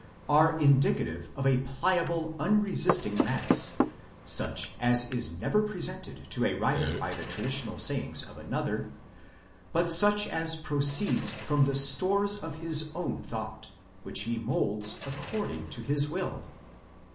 '—are indicative of a pliable, unresisting mass, such as is never presented to a writer by the traditional sayings of another, but such as proceeds from the stores of his own thought, which he moulds accord ing to his will.